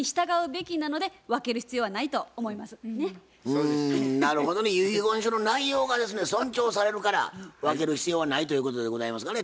うんなるほどね遺言書の内容が尊重されるから分ける必要はないということでございますかね。